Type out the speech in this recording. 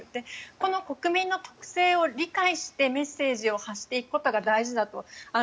この国民の特性を理解してメッセージを発していくことが大事だと。